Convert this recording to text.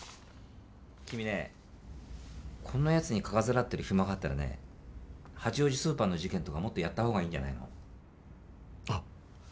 君ねこんなやつにかかずらってる暇があったらね八王子スーパーの事件とかもっとやった方がいいんじゃないの？